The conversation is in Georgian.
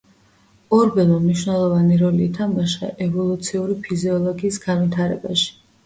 ორბელმა მნიშვნელოვანი როლი ითამაშა ევოლუციური ფიზიოლოგიის განვითარებაში.